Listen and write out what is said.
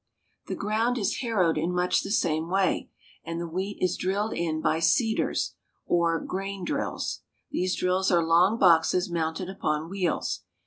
The ground is harrowed in much the same way, and the wheat is drilled in by seeders, or grain drills. These drills are long boxes mounted upon wheels.